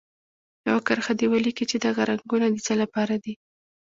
یوه کرښه دې ولیکي چې دغه رنګونه د څه لپاره دي.